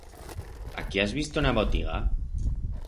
A quí has visto en a botiga?